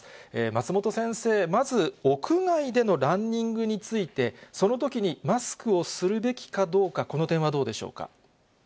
松本先生、まず、屋外でのランニングについて、そのときにマスクをするべきかどうか、この点はどうでしょうか。